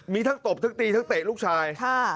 มีทั้งตบทั้งตีทั้งเตะลูกชาย